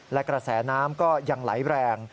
และกระแสน้ำก็ยังไหลแรง